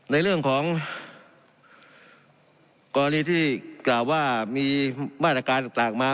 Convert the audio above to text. ในเรื่องของกรณีที่กล่าวว่ามีมาตรการต่างมา